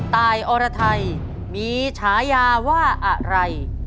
ตายอรไทยมีฉายาว่าอะไร